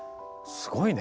すごいね。